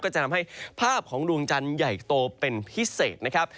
จะทำให้ภาพของดวงจันทร์ใหญ่โตเป็นพิเศษนะครับ